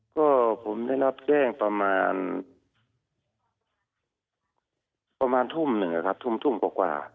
ก็ผมได้รับแจ้งประมาณประมาณทุ่มหนึ่งนะครับทุ่มกว่า